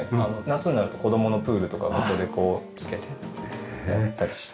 夏になると子供のプールとかをここでこうつけてやったりして。